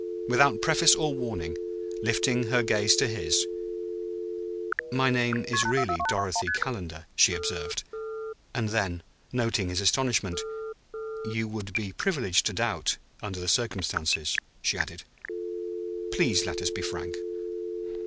Without preface or warning, lifting her gaze to his, "My name is really Dorothy Calendar," she observed. And then, noting his astonishment, "You would be privileged to doubt, under the circumstances," she added. "Please let us be frank."